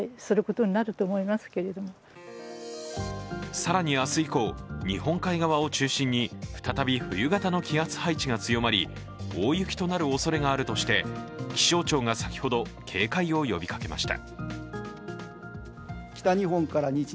更に明日以降、日本海側を中心に再び冬型の気圧配置が高まり大雪となるおそれがあるとして、気象庁が先ほど警戒を呼びかけました。